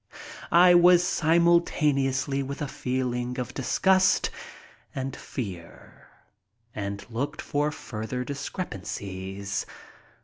I was filled simultaneously with a feeling of disgust and fear, and looked for further discrepancies.